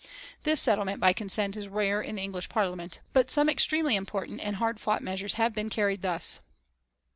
This settlement by consent is rare in the English Parliament, but some extremely important and hard fought measures have been carried thus.